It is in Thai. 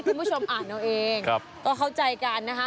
คุณผู้ชมอ่านเอาเองก็เข้าใจกันนะคะ